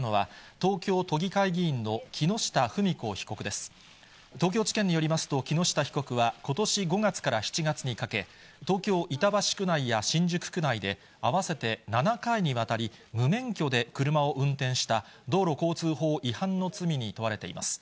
東京地検によりますと、木下被告はことし５月から７月にかけ、東京・板橋区内や新宿区内で、合わせて７回にわたり無免許で車を運転した、道路交通法違反の罪に問われています。